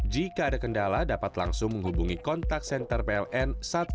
jika ada kendala dapat langsung menghubungi kontak senter pln satu ratus dua belas